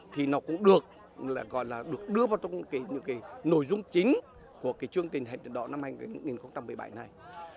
thì nó cũng được gọi là được đưa vào trong những cái nội dung chính của cái chương trình hành trình đỏ năm hai nghìn một mươi bảy này